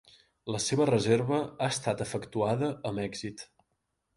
La seva reserva ha estat efectuada amb èxit.